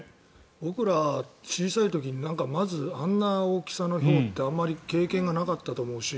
僕ら、小さい時にまずあんな大きさのひょうってあまり経験がなかったと思うし。